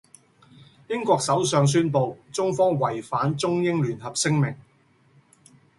英國首相宣佈中方違反中英聯合聲明。